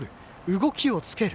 動きをつける。